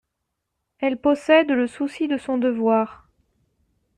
Elle possède le souci de son devoir.